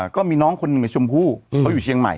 ก็มีน้องคนหนึ่งในชมพู่เขาอยู่เชียงใหม่